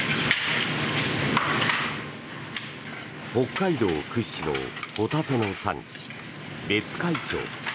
北海道屈指のホタテの産地別海町。